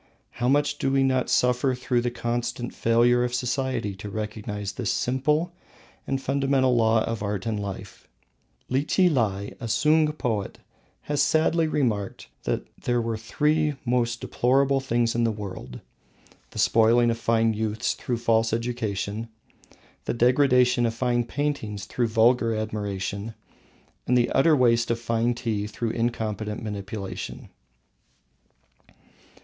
How much do we not suffer through the constant failure of society to recognise this simple and fundamental law of art and life; Lichilai, a Sung poet, has sadly remarked that there were three most deplorable things in the world: the spoiling of fine youths through false education, the degradation of fine art through vulgar admiration, and the utter waste of fine tea through incompetent manipulation.